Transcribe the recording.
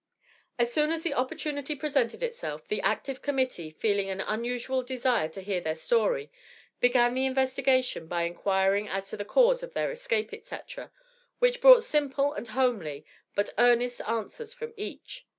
As soon as the opportunity presented itself, the Active Committee feeling an unusual desire to hear their story, began the investigation by inquiring as to the cause of their escape, etc., which brought simple and homely but earnest answers from each.